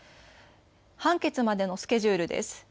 判決までのスケジュールです。